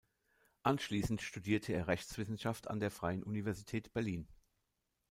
Anschließend studierte er Rechtswissenschaft an der Freien Universität Berlin.